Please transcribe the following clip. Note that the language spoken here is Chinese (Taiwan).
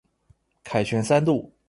凱旋三路